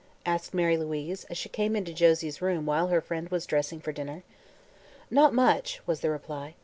asked Mary Louise, as she came into Josie's room while her friend was dressing for dinner. "Not much," was the reply.